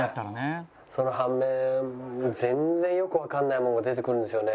その反面全然よくわかんないものが出てくるんですよね。